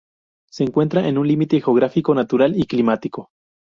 Se encuentra en un límite geográfico natural y climático.